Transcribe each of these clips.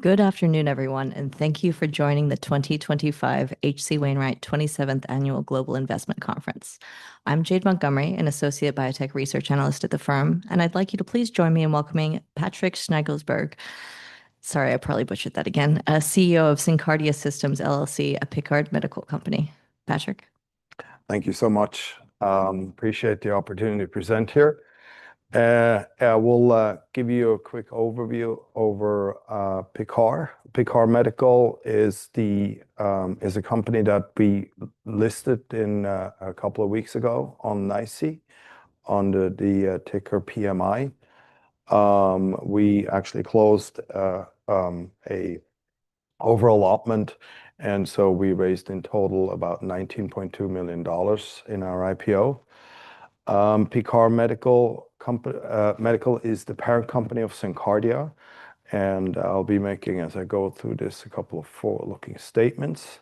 Good afternoon, everyone, and thank you for joining the 2025 H.C. Wainwright 27th Annual Global Investment Conference. I'm Jade Montgomery, an Associate Biotech Research Analyst at the firm, and I'd like you to please join me in welcoming Patrick Schnegelsberg. Sorry, I probably butchered that again. CEO of SynCardia Systems LLC, a Picard Medical company. Patrick. Thank you so much. Appreciate the opportunity to present here. I will give you a quick overview of Picard. Picard Medical is a company that we listed a couple of weeks ago on Nasdaq, under the ticker PMI. We actually closed an over-allotment option, and so we raised in total about $19.2 million in our IPO. Picard Medical is the parent company of SynCardia, and I'll be making, as I go through this, a couple of forward-looking statements.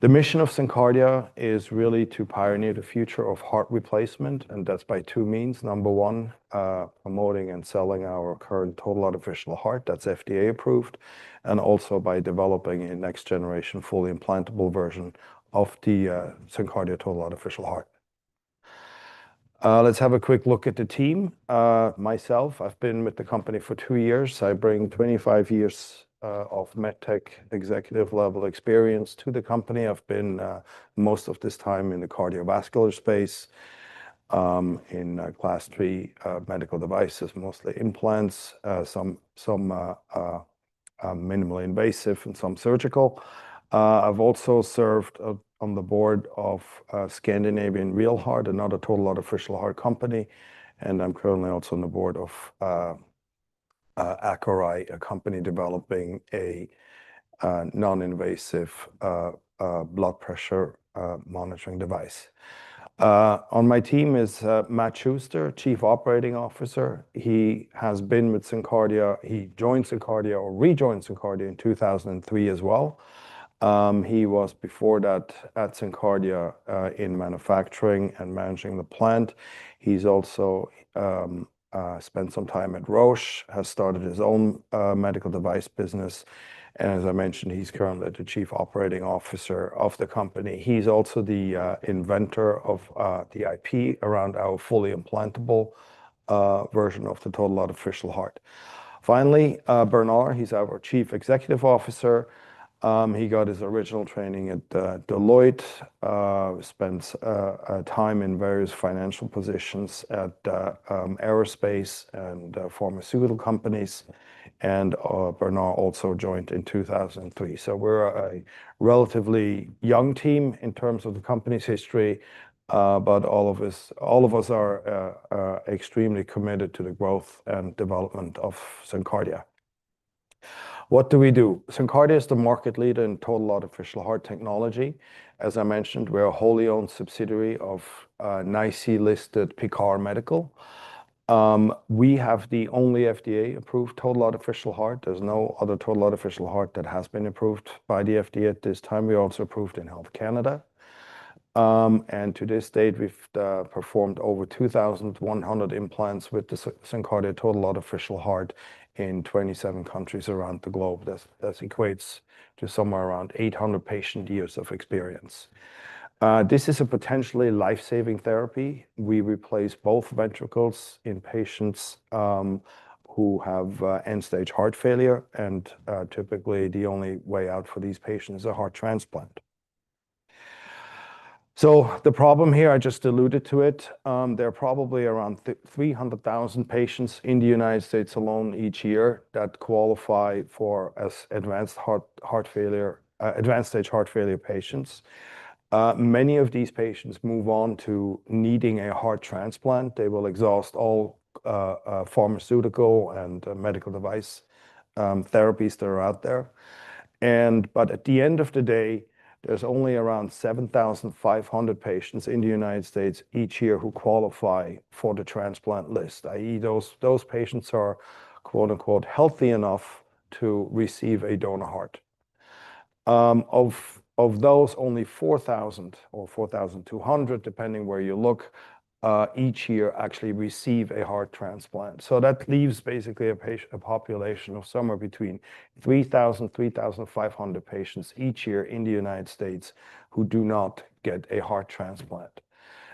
The mission of SynCardia is really to pioneer the future of heart replacement, and that's by two means. Number one, promoting and selling our current total artificial heart. That's FDA approved, and also by developing a next-generation fully implantable version of the SynCardia Total Artificial Heart. Let's have a quick look at the team. Myself, I've been with the company for two years. I bring 25 years of MedTech executive-level experience to the company. I've been most of this time in the cardiovascular space, in Class III medical devices, mostly implants, some minimally invasive, and some surgical. I've also served on the board of Scandinavian Real Heart, another total artificial heart company, and I'm currently also on the board of Acorai, a company developing a non-invasive blood pressure monitoring device. On my team is Matt Schuster, Chief Operating Officer. He has been with SynCardia. He joined SynCardia or rejoined SynCardia in 2003 as well. He was before that at SynCardia in manufacturing and managing the plant. He's also spent some time at Roche, has started his own medical device business, and as I mentioned, he's currently the Chief Operating Officer of the company. He's also the inventor of the IP around our fully implantable version of the total artificial heart. Finally, Bernard, he's our Chief Financial Officer. He got his original training at Deloitte, spent time in various financial positions at aerospace and pharmaceutical companies, and Bernard also joined in 2003. So we're a relatively young team in terms of the company's history, but all of us are extremely committed to the growth and development of SynCardia. What do we do? SynCardia is the market leader in total artificial heart technology. As I mentioned, we're a wholly owned subsidiary of Nasdaq-listed Picard Medical. We have the only FDA-approved total artificial heart. There's no other total artificial heart that has been approved by the FDA at this time. We're also approved in Health Canada, and to this date, we've performed over 2,100 implants with the SynCardia Total Artificial Heart in 27 countries around the globe. That equates to somewhere around 800 patient years of experience. This is a potentially life-saving therapy. We replace both ventricles in patients who have end-stage heart failure, and typically the only way out for these patients is a heart transplant. So the problem here, I just alluded to it. There are probably around 300,000 patients in the United States alone each year that qualify for advanced heart failure, advanced stage heart failure patients. Many of these patients move on to needing a heart transplant. They will exhaust all pharmaceutical and medical device therapies that are out there. But at the end of the day, there's only around 7,500 patients in the United States each year who qualify for the transplant list, i.e., those patients are "healthy enough" to receive a donor heart. Of those, only 4,000 or 4,200, depending where you look, each year actually receive a heart transplant. That leaves basically a population of somewhere between 3,000 and 3,500 patients each year in the United States who do not get a heart transplant.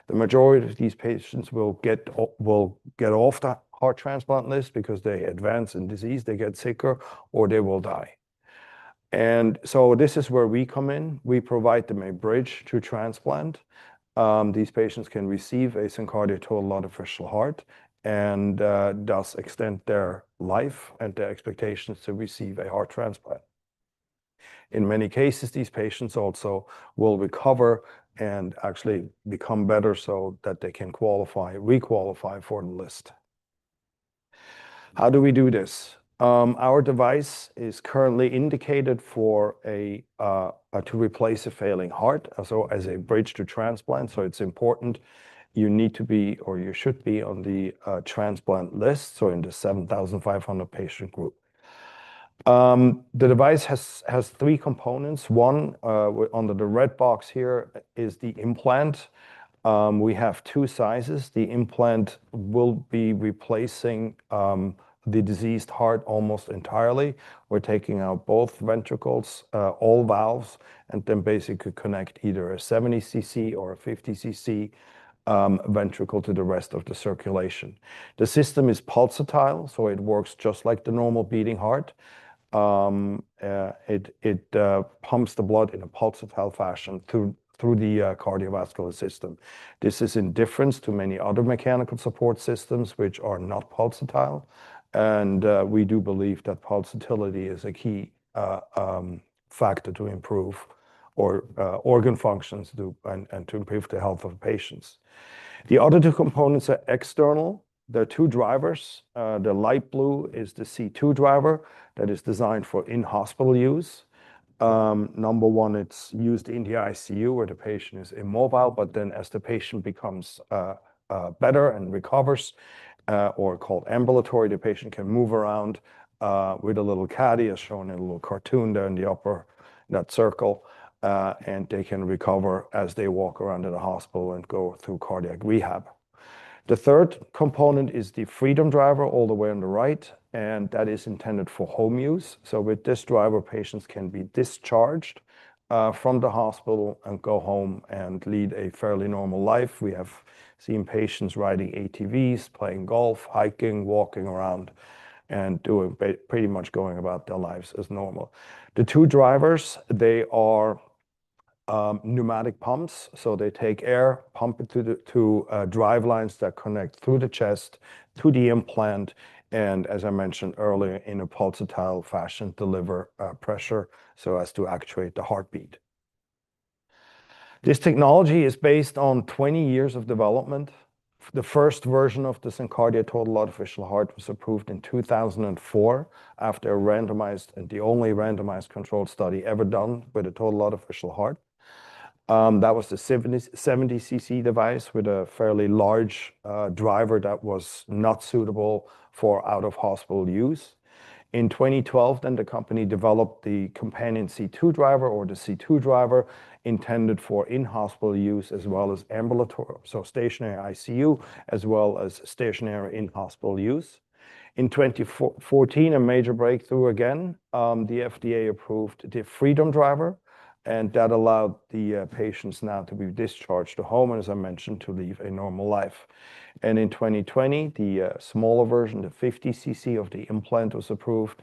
The majority of these patients will get off the heart transplant list because they advance in disease, they get sicker, or they will die. And so this is where we come in. We provide them a bridge to transplant. These patients can receive a SynCardia Total Artificial Heart and thus extend their life and their expectations to receive a heart transplant. In many cases, these patients also will recover and actually become better so that they can requalify for the list. How do we do this? Our device is currently indicated to replace a failing heart, so as a bridge to transplant. So it's important you need to be or you should be on the transplant list, so in the 7,500 patient group. The device has three components. One under the red box here is the implant. We have two sizes. The implant will be replacing the diseased heart almost entirely. We're taking out both ventricles, all valves, and then basically connect either a 70cc or a 50cc ventricle to the rest of the circulation. The system is pulsatile, so it works just like the normal beating heart. It pumps the blood in a pulsatile fashion through the cardiovascular system. This is different from many other mechanical support systems, which are not pulsatile. And we do believe that pulsatility is a key factor to improve organ functions and to improve the health of patients. The other two components are external. There are two drivers. The light blue is the C2 driver that is designed for in-hospital use. Number one, it's used in the ICU where the patient is immobile, but then as the patient becomes better and recovers, or called ambulatory, the patient can move around with a little caddy, as shown in a little cartoon there in the upper right circle, and they can recover as they walk around in the hospital and go through cardiac rehab. The third component is the Freedom Driver all the way on the right, and that is intended for home use. So with this driver, patients can be discharged from the hospital and go home and lead a fairly normal life. We have seen patients riding ATVs, playing golf, hiking, walking around, and pretty much going about their lives as normal. The two drivers, they are pneumatic pumps, so they take air, pump it to drivelines that connect through the chest, through the implant, and as I mentioned earlier, in a pulsatile fashion, deliver pressure so as to actuate the heartbeat. This technology is based on 20 years of development. The first version of the SynCardia Total Artificial Heart was approved in 2004 after a randomized and the only randomized controlled study ever done with a Total Artificial Heart. That was the 70cc device with a fairly large driver that was not suitable for out-of-hospital use. In 2012, then the company developed the companion C2 Driver or the C2 Driver intended for in-hospital use as well as ambulatory, so stationary ICU, as well as stationary in-hospital use. In 2014, a major breakthrough again, the FDA approved the Freedom Driver, and that allowed the patients now to be discharged to home and, as I mentioned, to live a normal life. And in 2020, the smaller version, the 50cc of the implant was approved,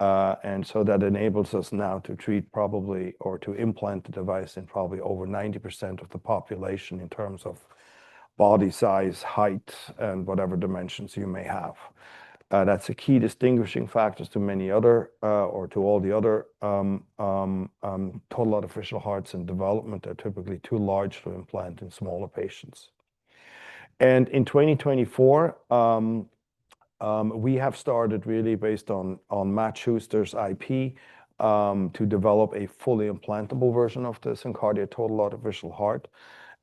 and so that enables us now to treat probably or to implant the device in probably over 90% of the population in terms of body size, height, and whatever dimensions you may have. That's a key distinguishing factor to many other or to all the other total artificial hearts in development that are typically too large to implant in smaller patients. And in 2024, we have started really based on Matt Schuster's IP to develop a fully implantable version of the SynCardia Total Artificial Heart.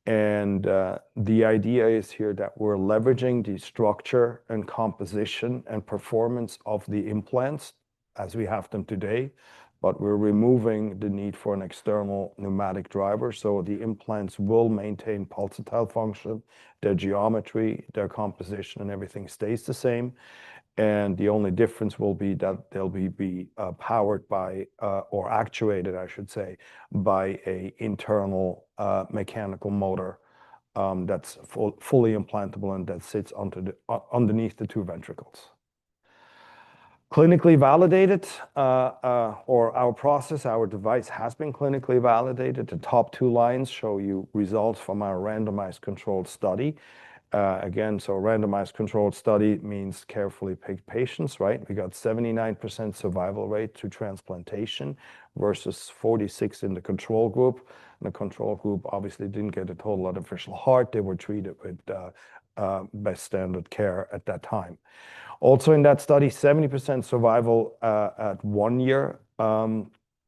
And the idea is here that we're leveraging the structure and composition and performance of the implants as we have them today, but we're removing the need for an external pneumatic driver. So the implants will maintain pulsatile function, their geometry, their composition, and everything stays the same. And the only difference will be that they'll be powered by or actuated, I should say, by an internal mechanical motor that's fully implantable and that sits underneath the two ventricles. Clinically validated or our process, our device has been clinically validated. The top two lines show you results from our randomized controlled study. Again, so randomized controlled study means carefully picked patients, right? We got 79% survival rate to transplantation versus 46% in the control group. The control group obviously didn't get a total artificial heart. They were treated with best standard care at that time. Also in that study, 70% survival at one year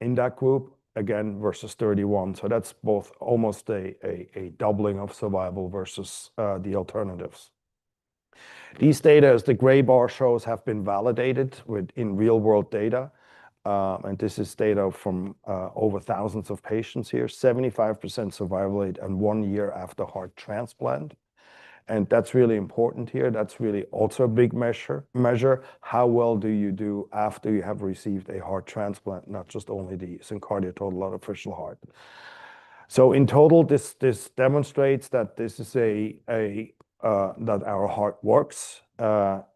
in that group, again, versus 31%. So that's both almost a doubling of survival versus the alternatives. These data, as the gray bar shows, have been validated within real-world data, and this is data from over thousands of patients here, 75% survival rate and one year after heart transplant, and that's really important here. That's really also a big measure. How well do you do after you have received a heart transplant, not just only the SynCardia Total Artificial Heart? So in total, this demonstrates that this is a that our heart works,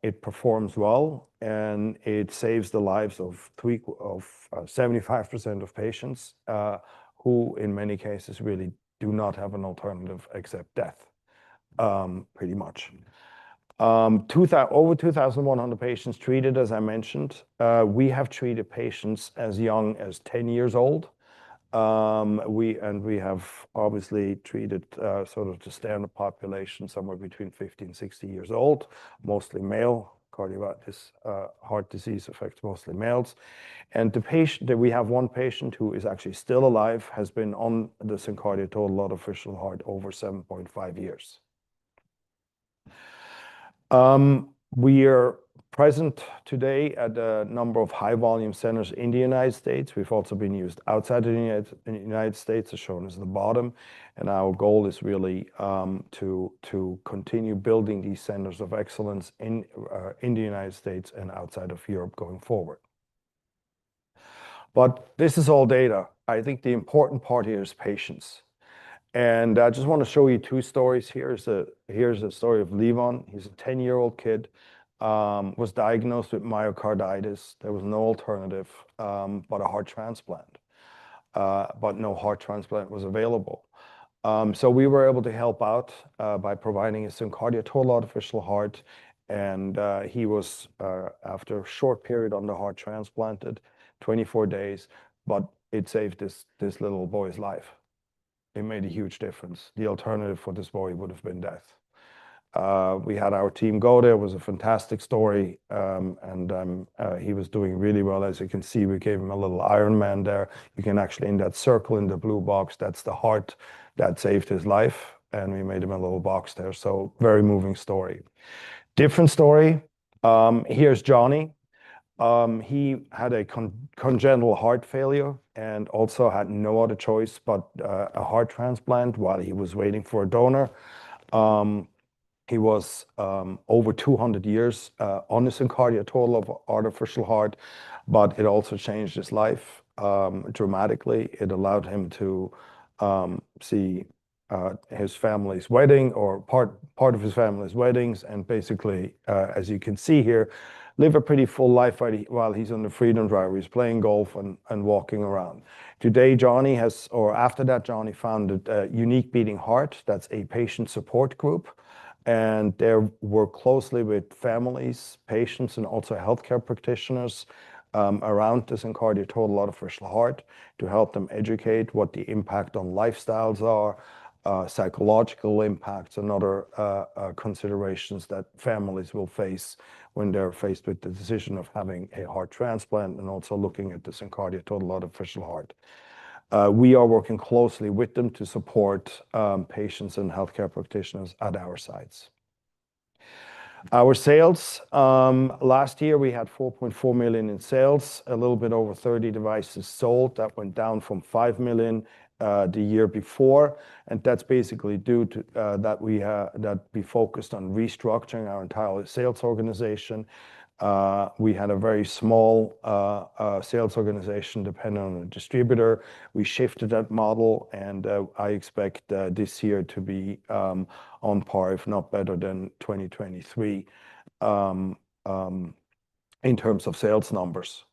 it performs well, and it saves the lives of 75% of patients who, in many cases, really do not have an alternative except death, pretty much. Over 2,100 patients treated, as I mentioned. We have treated patients as young as 10 years old, and we have obviously treated sort of the standard population somewhere between 50-60 years old, mostly male. Cardiovascular heart disease affects mostly males, and the patient that we have, one patient who is actually still alive, has been on the SynCardia Total Artificial Heart over 7.5 years. We are present today at a number of high-volume centers in the United States. We've also been used outside of the United States, as shown at the bottom, and our goal is really to continue building these centers of excellence in the United States and outside of Europe going forward, but this is all data. I think the important part here is patients, and I just want to show you two stories here. Here's a story of Levon. He's a 10-year-old kid, was diagnosed with myocarditis. There was no alternative but a heart transplant, but no heart transplant was available. So we were able to help out by providing a SynCardia Total Artificial Heart, and he was, after a short period, on the heart transplanted, 24 days, but it saved this little boy's life. It made a huge difference. The alternative for this boy would have been death. We had our team go there. It was a fantastic story, and he was doing really well. As you can see, we gave him a little Iron Man there. You can actually in that circle in the blue box, that's the heart that saved his life, and we made him a little box there. So very moving story. Different story. Here's Johnny. He had a congenital heart failure and also had no other choice but a heart transplant while he was waiting for a donor. He was over two years on the SynCardia Total Artificial Heart, but it also changed his life dramatically. It allowed him to see his family's wedding or part of his family's weddings and basically, as you can see here, live a pretty full life while he's on the Freedom Driver. He's playing golf and walking around. Today, Johnny has, or after that, Johnny founded A Unique Beating Heart. That's a patient support group, and they work closely with families, patients, and also healthcare practitioners around the SynCardia Total Artificial Heart to help them educate what the impact on lifestyles are, psychological impacts, and other considerations that families will face when they're faced with the decision of having a heart transplant and also looking at the SynCardia Total Artificial Heart. We are working closely with them to support patients and healthcare practitioners at our sites. Our sales last year, we had $4.4 million in sales, a little bit over 30 devices sold. That went down from $5 million the year before, and that's basically due to that we focused on restructuring our entire sales organization. We had a very small sales organization dependent on a distributor. We shifted that model, and I expect this year to be on par, if not better than 2023 in terms of sales numbers.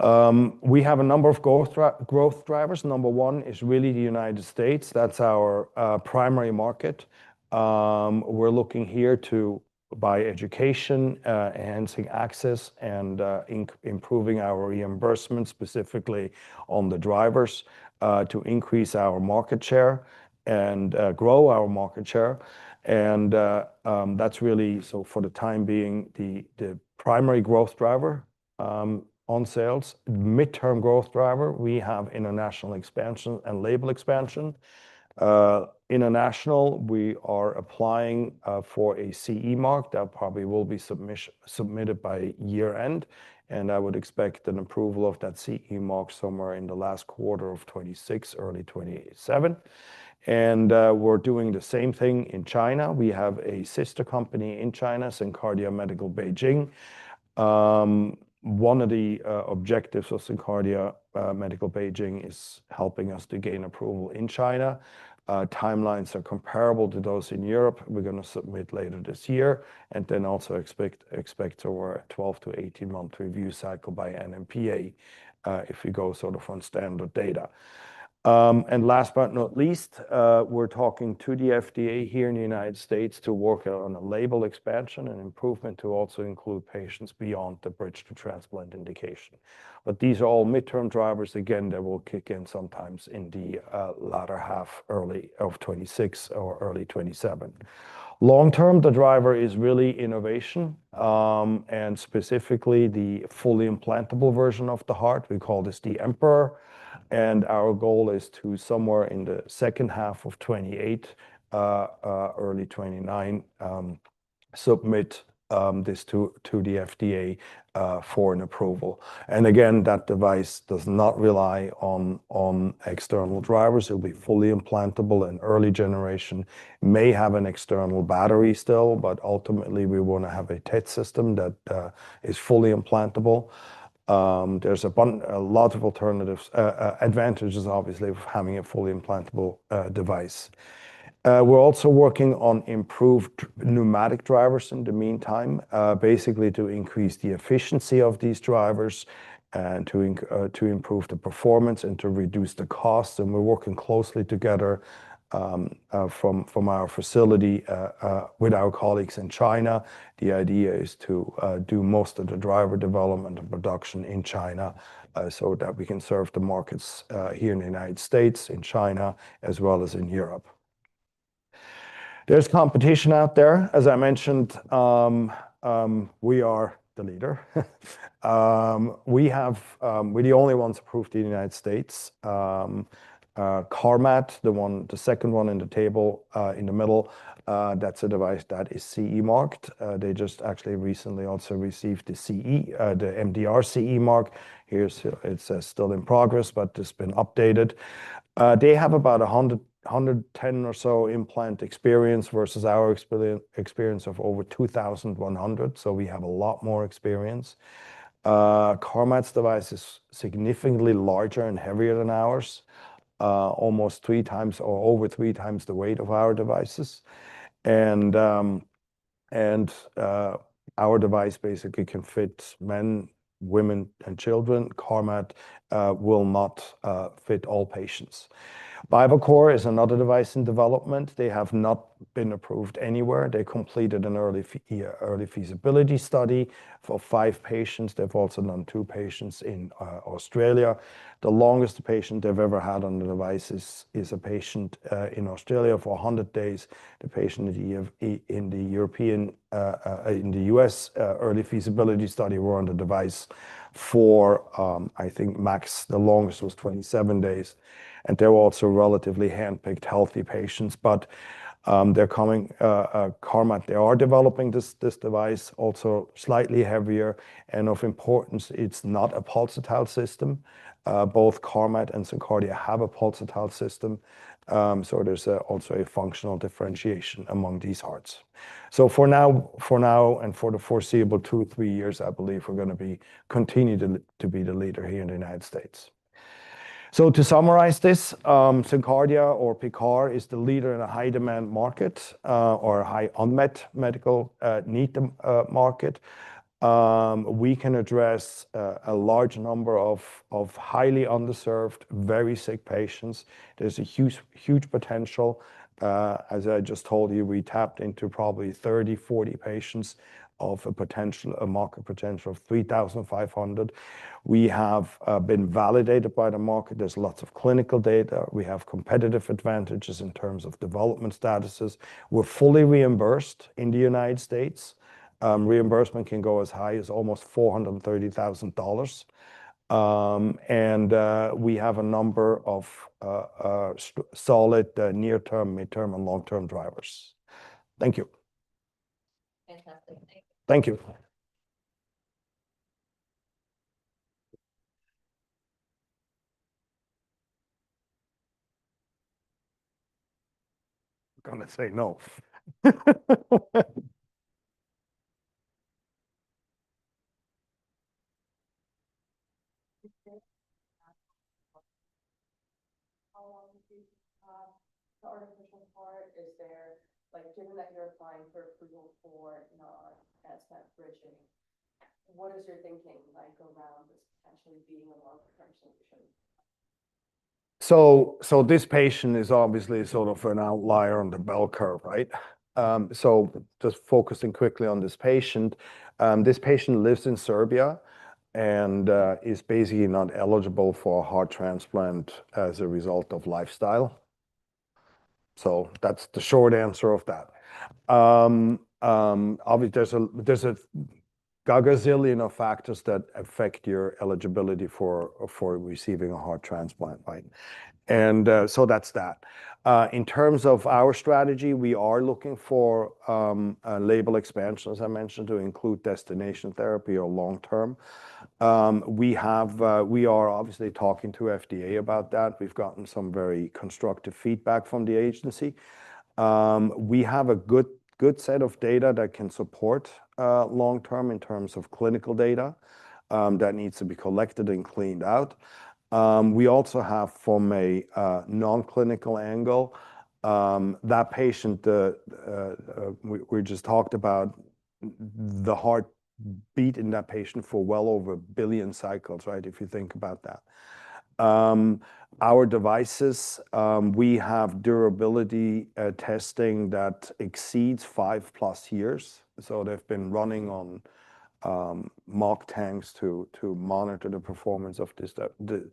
We have a number of growth drivers. Number one is really the United States. That's our primary market. We're looking here to physician education and enhancing access and improving our reimbursement, specifically on the drivers, to increase our market share and grow our market share. That's really, so for the time being, the primary growth driver on sales. Midterm growth driver, we have international expansion and label expansion. Internationally, we are applying for a CE mark that probably will be submitted by year-end, and I would expect an approval of that CE mark somewhere in the last quarter of 2026, early 2027. And we're doing the same thing in China. We have a sister company in China, SynCardia Medical Beijing. One of the objectives of SynCardia Medical Beijing is helping us to gain approval in China. Timelines are comparable to those in Europe. We're going to submit later this year and then also expect our 12-18-month review cycle by NMPA if we go sort of on standard data. And last but not least, we're talking to the FDA here in the United States to work on a label expansion and improvement to also include patients beyond the bridge to transplant indication. But these are all midterm drivers. Again, they will kick in sometimes in the latter half or early of 2026 or early 2027. Long-term, the driver is really innovation and specifically the fully implantable version of the heart. We call this the Emperor, and our goal is to somewhere in the second half of 2028, early 2029, submit this to the FDA for an approval. And again, that device does not rely on external drivers. It'll be fully implantable and early generation. It may have an external battery still, but ultimately we want to have a TET system that is fully implantable. There's a lot of alternatives, advantages, obviously, of having a fully implantable device. We're also working on improved pneumatic drivers in the meantime, basically to increase the efficiency of these drivers and to improve the performance and to reduce the cost. And we're working closely together from our facility with our colleagues in China. The idea is to do most of the driver development and production in China so that we can serve the markets here in the United States, in China, as well as in Europe. There's competition out there. As I mentioned, we are the leader. We have the only ones approved in the United States. CARMAT, the second one in the table in the middle, that's a device that is CE marked. They just actually recently also received the MDR CE mark. Here, it's still in progress, but it's been updated. They have about 110 or so implant experience versus our experience of over 2,100, so we have a lot more experience. CARMAT's device is significantly larger and heavier than ours, almost three times or over three times the weight of our devices. Our device basically can fit men, women, and children. CARMAT will not fit all patients. BiVACOR is another device in development. They have not been approved anywhere. They completed an early feasibility study for five patients. They have also done two patients in Australia. The longest patient they have ever had on the devices is a patient in Australia for 100 days. The patient in the U.S. early feasibility study were on the device for, I think, max. The longest was 27 days. They are also relatively handpicked healthy patients, but they are coming. CARMAT, they are developing this device also slightly heavier and of importance. It is not a pulsatile system. Both CARMAT and SynCardia have a pulsatile system. There is also a functional differentiation among these hearts. For now, and for the foreseeable two or three years, I believe we are going to continue to be the leader here in the United States. So to summarize this, SynCardia or Picard is the leader in a high-demand market or a high unmet medical need market. We can address a large number of highly underserved, very sick patients. There's a huge potential. As I just told you, we tapped into probably 30, 40 patients of a market potential of 3,500. We have been validated by the market. There's lots of clinical data. We have competitive advantages in terms of development statuses. We're fully reimbursed in the United States. Reimbursement can go as high as almost $430,000. And we have a number of solid near-term, mid-term, and long-term drivers. Thank you. Fantastic. Thank you. I'm going to say no. How long is the artificial heart? Is there, given that you're applying for approval for an SMAP bridging, what is your thinking around this potentially being a long-term solution? So this patient is obviously sort of an outlier on the bell curve, right? So just focusing quickly on this patient, this patient lives in Serbia and is basically not eligible for a heart transplant as a result of lifestyle. So that's the short answer of that. Obviously, there's a gagazillion of factors that affect your eligibility for receiving a heart transplant, right? And so that's that. In terms of our strategy, we are looking for a label expansion, as I mentioned, to include destination therapy or long-term. We are obviously talking to FDA about that. We've gotten some very constructive feedback from the agency. We have a good set of data that can support long-term in terms of clinical data that needs to be collected and cleaned out. We also have from a non-clinical angle that patient we just talked about the heartbeat in that patient for well over a billion cycles, right? If you think about that. Our devices, we have durability testing that exceeds five plus years. So they've been running on mock tanks to monitor the performance of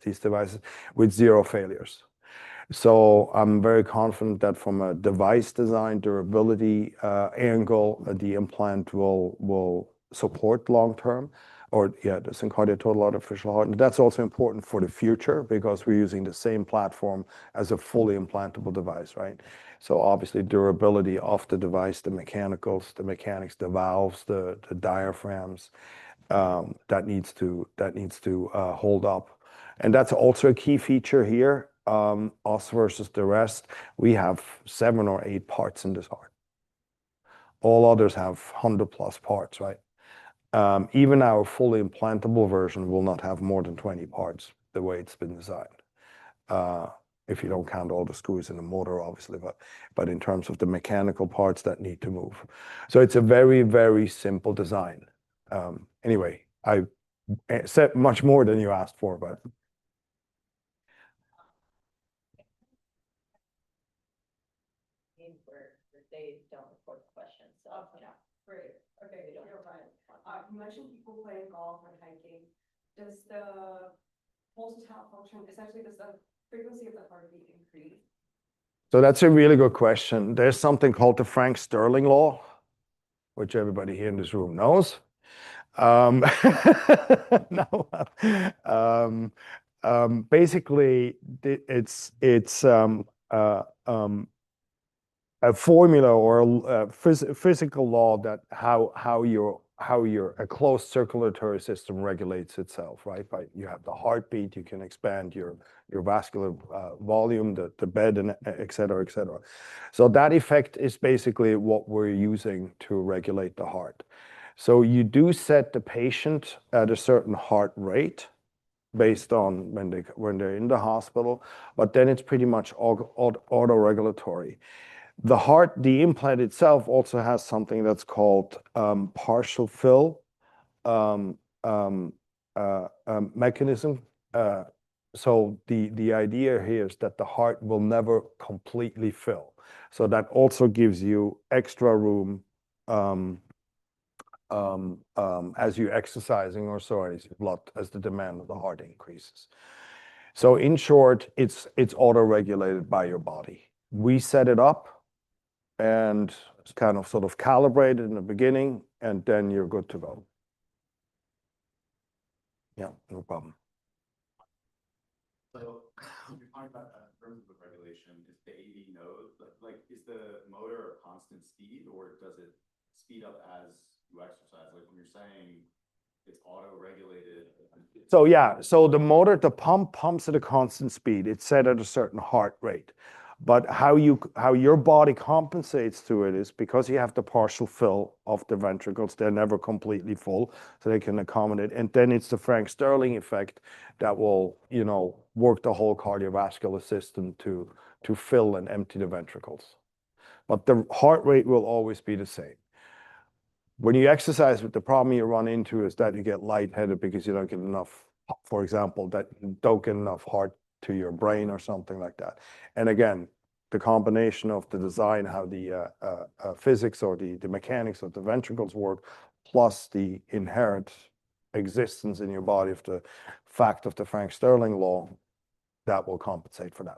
these devices with zero failures. So I'm very confident that from a device design durability angle, the implant will support long-term or the SynCardia Total Artificial Heart. And that's also important for the future because we're using the same platform as a fully implantable device, right? So obviously, durability of the device, the mechanics, the valves, the diaphragms that needs to hold up. And that's also a key feature here. us versus the rest, we have seven or eight parts in this heart. All others have 100+ parts, right? Even our fully implantable version will not have more than 20 parts the way it's been designed. If you don't count all the screws in the motor, obviously, but in terms of the mechanical parts that need to move. So it's a very, very simple design. Anyway, I said much more than you asked for, but. I mean, they don't record the questions. So I'll clean up. Great. Okay. You're fine. You mentioned people playing golf and hiking. Does the pulsatile function, essentially, does the frequency of the heartbeat increase? So that's a really good question. There's something called the Frank-Starling law, which everybody here in this room knows. Basically, it's a formula or a physical law that how your closed circulatory system regulates itself, right? You have the heartbeat, you can expand your vascular volume, the bed, and etc. That effect is basically what we're using to regulate the heart. You do set the patient at a certain heart rate based on when they're in the hospital, but then it's pretty much auto-regulatory. The heart, the implant itself also has something that's called partial fill mechanism. The idea here is that the heart will never completely fill. That also gives you extra room as you're exercising or so as the demand of the heart increases. In short, it's auto-regulated by your body. We set it up and kind of sort of calibrate it in the beginning, and then you're good to go. Yeah, no problem. When you're talking about that in terms of the regulation, is the AV node, is the motor a constant speed, or does it speed up as you exercise? Like when you're saying it's auto-regulated. Yeah, so the motor, the pump pumps at a constant speed. It's set at a certain heart rate. But how your body compensates to it is because you have the partial fill of the ventricles. They're never completely full, so they can accommodate. And then it's the Frank-Starling effect that will work the whole cardiovascular system to fill and empty the ventricles. But the heart rate will always be the same. When you exercise, the problem you run into is that you get lightheaded because you don't get enough, for example, blood to your brain or something like that. And again, the combination of the design, how the physics or the mechanics of the ventricles work, plus the inherent existence in your body of the fact of the Frank-Starling law, that will compensate for that.